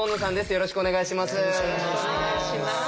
よろしくお願いします。